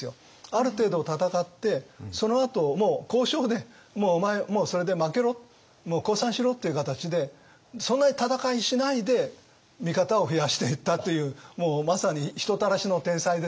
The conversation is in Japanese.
ある程度戦ってそのあともう交渉でもうお前それで負けろもう降参しろっていう形でそんなに戦いしないで味方を増やしていったというもうまさに人たらしの天才ですね。